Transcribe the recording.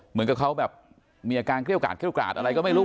เหมือนกับเขาแบบมีอาการเกรียวกราศอะไรก็ไม่รู้